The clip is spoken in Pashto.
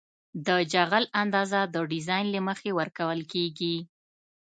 د جغل اندازه د ډیزاین له مخې ورکول کیږي